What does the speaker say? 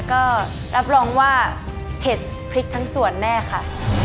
ก็รับรองว่าเผ็ดพริกทั้งส่วนแน่ค่ะ